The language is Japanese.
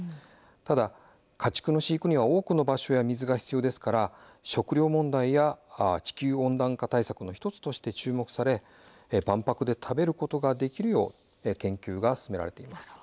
ただ家畜の飼育には多くの場所や水が必要ですから、食料問題や地球温暖化対策の１つとして注目され万博で食べることができるよう研究が進められています。